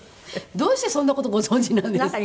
どうしてそんな事ご存じなんですか？